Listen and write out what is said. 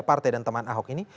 partai dan teman ahok ini